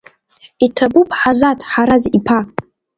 Иҭабуп Ҳазаҭ Ҳараз-иԥа!